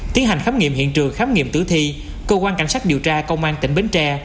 tiến hành khám nghiệm hiện trường khám nghiệm tử thi cơ quan cảnh sát điều tra công an tỉnh bến tre